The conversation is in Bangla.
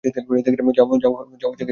যাও পরিষ্কার করো!